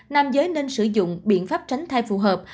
nam giới nên sử dụng biện pháp tránh thai phù hợp